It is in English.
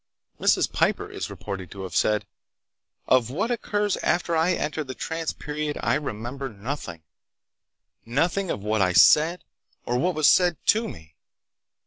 Mrs. Piper is reported to have said: "Of what occurs after I enter the trance period I remember nothing—nothing of what I said or what was said to me.